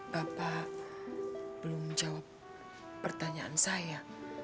bapak belum jawab pertanyaan saya